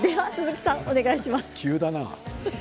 急だな。